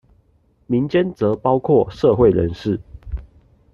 民間則包括社會人士